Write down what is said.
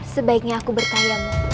sebaiknya aku bertayam